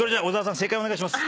正解お願いします。